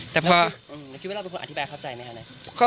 คิดว่าเราเป็นคนอธิแปลเข้าใจไหมครับ